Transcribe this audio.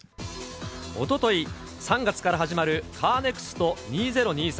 おととい、３月から始まるカーネクスト２０２３